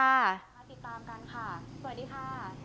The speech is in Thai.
สวัสดีค่ะ